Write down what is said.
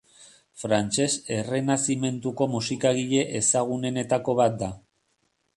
Frantses Errenazimentuko musikagile ezagunenetako bat da.